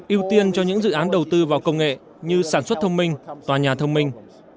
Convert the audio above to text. ưu tiên cho những dự án đầu tư vào công nghệ như sản xuất thông minh tòa nhà thông minh